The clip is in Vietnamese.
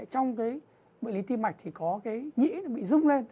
trong bệnh lý tim mạch thì có nhĩ bị rung lên